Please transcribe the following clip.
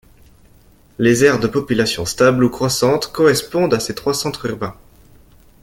Les aires de population stable ou croissante correspondent à ces trois centres urbains.